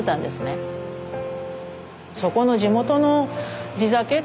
そこの地元の地酒